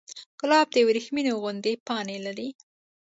ګلاب د وریښمو غوندې پاڼې لري.